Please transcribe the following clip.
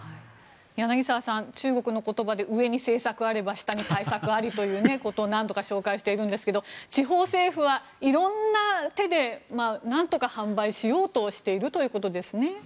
柳澤さん、中国の言葉で上に政策あれば下に対策ありということを何度か紹介していますが地方政府は色んな手でなんとか販売しようとしているということですね。